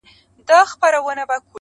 مېږی لا هم په خپل کور کي مست وي.